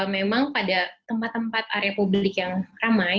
memang pada tempat tempat area publik yang ramai